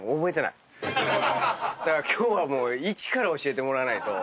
だから今日はもう一から教えてもらわないと。